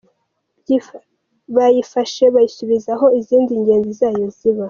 Bayifashe bayisubiza aho izindi ngenzi zayo ziba.